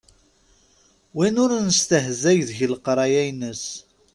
Win ur nestehzay deg leqray-ines.